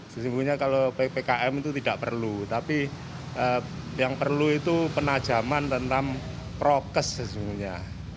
sesungguhnya kalau ppkm itu tidak perlu tapi yang perlu itu penajaman tentang prokes sesungguhnya